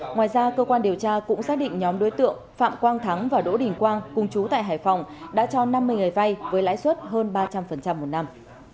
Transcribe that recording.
ngoài ra cơ quan điều tra cũng xác định nhóm đối tượng phạm quang thắng và đỗ đình quang cùng chú tại hải phòng đã cho năm mươi người vay với lãi suất hơn ba trăm linh một năm